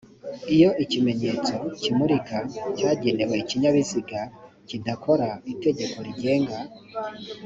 iyo ikimenyetso kimurika cyagenewe ibinyabiziga kidakora itegeko rigenga